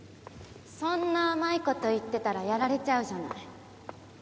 そんな甘いこと言ってたらやられちゃうじゃない。